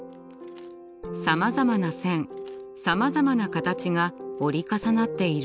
さまざまな線さまざまな形が折り重なっている。